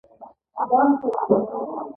استاده ډي این اې په حجره کې کوم ځای لري